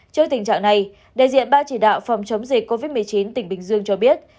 trước tình trạng này đại diện ba chỉ đạo phòng chống dịch covid một mươi chín tỉnh bình dương cho biết